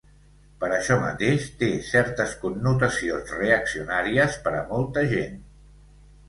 Per això mateix té certes connotacions reaccionàries per a molta gent.